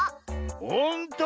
ほんとだ！